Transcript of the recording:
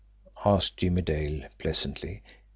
asked Jimmie Dale pleasantly.